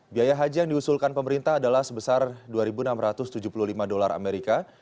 biaya haji yang diusulkan pemerintah adalah sebesar dua enam ratus tujuh puluh lima dolar amerika